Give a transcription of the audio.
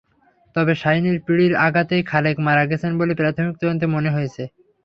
তবে শাহীনের পিঁড়ির আঘাতেই খালেক মারা গেছেন বলে প্রাথমিক তদন্তে মনে হয়েছে।